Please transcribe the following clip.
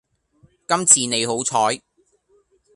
今次你好彩